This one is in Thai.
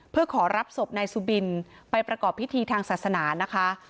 เพื่อขอรับศพนายสุบินไปประกอบพิธีทางศาสนานะคะ